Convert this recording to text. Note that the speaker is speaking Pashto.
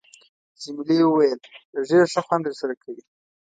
جميلې وويل:، ږیره ښه خوند در سره کوي.